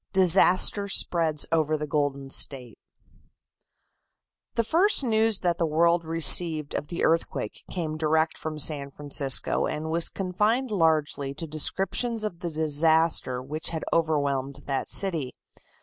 Disaster Spreads Over the Golden State The first news that the world received of the earthquake came direct from San Francisco and was confined largely to descriptions of the disaster which had overwhelmed that city.